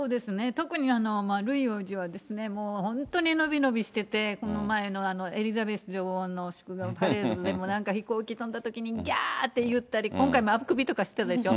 特にルイ王子は、もう本当に伸び伸びしてて、この前のエリザベス女王の祝賀パレードでも飛行機飛んだときにぎゃーって言ったり、今回もあくびとかしたでしょ。